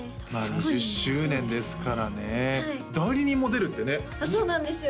２０周年ですからね代理人も出るってねそうなんですよ